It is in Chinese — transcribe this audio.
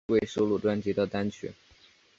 未收录专辑的单曲